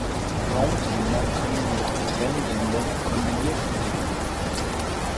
Raumteiler können mit Trennwänden kombiniert werden.